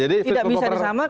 tidak bisa disamakan